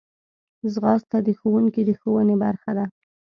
ځغاسته د ښوونکي د ښوونې برخه ده